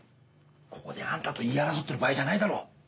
ここであんたと言い争ってる場合じゃないだろ！